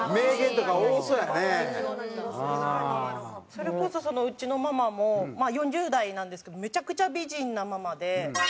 それこそうちのママもまあ４０代なんですけどめちゃくちゃ美人なママで。